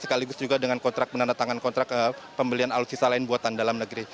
sekaligus juga dengan kontrak menandatangan kontrak pembelian alutsisa lain buatan dalam negeri